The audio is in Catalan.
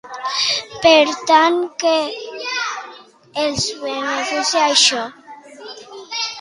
Per tant, en què els beneficia això?